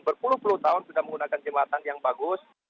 berpuluh puluh tahun sudah menggunakan jembatan yang bagus